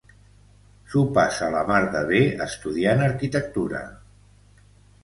S'ho passà la mar de bé estudiant arquitectura.